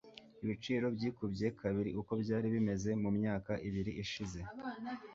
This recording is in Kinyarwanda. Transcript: Ibiciro byikubye kabiri uko byari bimeze mumyaka ibiri ishize.